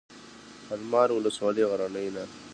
المار ولسوالۍ غرنۍ ده؟